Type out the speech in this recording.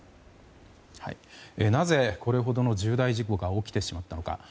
なぜこれほどの重大事故が起きてしまったのか。